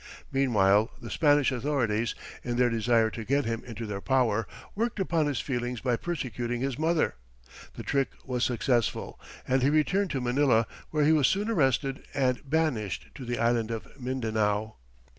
Meanwhile, the Spanish authorities, in their desire to get him into their power, worked upon his feelings by persecuting his mother. The trick was successful, and he returned to Manila, where he was soon arrested, and banished to the island of Mindanao.